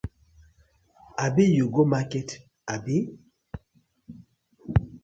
Abi you go market abi?